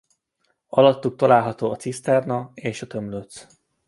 Alattuk található a ciszterna és a tömlöc.